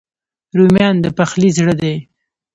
رومیان د پخلي زړه دي